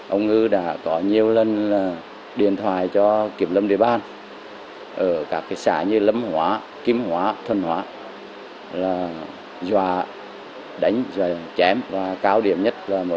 ông ngư đã có nhiều lần điện thoại cho kiểm lâm địa bàn ở các xã như lâm hóa kim hóa thân hóa